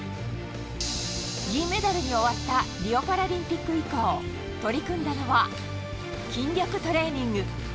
銀メダルに終わったリオパラリンピック以降、取り組んだのは筋力トレーニング。